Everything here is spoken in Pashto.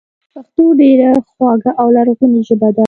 پښتو ډېره خواږه او لرغونې ژبه ده